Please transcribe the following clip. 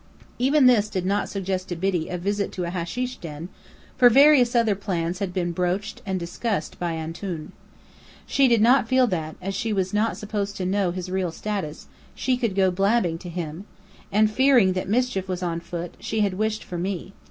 Even this did not suggest to Biddy a visit to a "hasheesh den," for various other plans had been broached and discouraged by "Antoun." She did not feel that, as she was not supposed to know his real status, she could go "blabbing" to him; and fearing that mischief was on foot, she had wished for me.